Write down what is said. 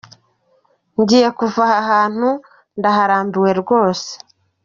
Ngiye kuva aha hantu ndaharambiwe rwose.